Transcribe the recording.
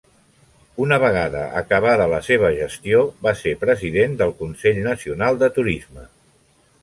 Una vegada acabada la seva gestió, va ser president del Consell Nacional de Turisme.